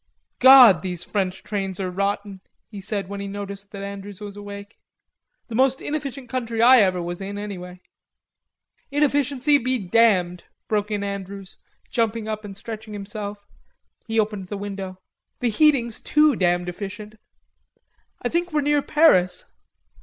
"God! These French trains are rotten," he said when he noticed that Andrews was awake. "The most inefficient country I ever was in anyway." "Inefficiency be damned," broke in Andrews, jumping up and stretching himself. He opened the window. "The heating's too damned efficient.... I think we're near Paris."